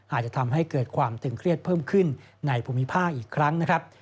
อาจจะทำให้เกิดความตึงเครียดเพิ่มขึ้นในภูมิภาคอีกครั้งนะครับ